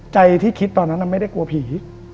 ใจที่คิดตอนนั้นไม่ได้กลัวผี